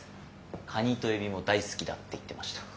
カニとエビも大好きだって言ってました。